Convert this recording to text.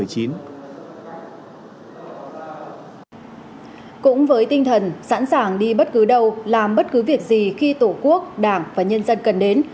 cũng với tinh thần sẵn sàng đi bất cứ đâu làm bất cứ việc gì khi tổ quốc đảng và nhân dân cần đến